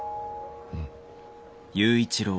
うん。